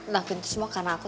noven itu semua karena aku